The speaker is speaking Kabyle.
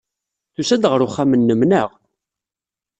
Tusa-d ɣer uxxam-nnem, naɣ?